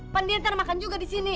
pandian ntar makan juga disini